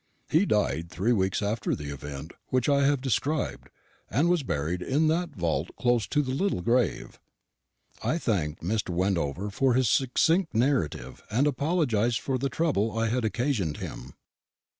He died three weeks after the event which I have described, and was buried in that vault close to the little grave." I thanked Mr. Wendover for his succinct narrative, and apologised for the trouble I had occasioned him.